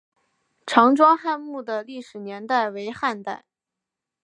常庄汉墓的历史年代为汉代。